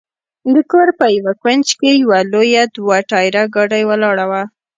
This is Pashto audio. د کور په یوه کونج کې یوه لویه دوه ټایره ګاډۍ ولاړه وه.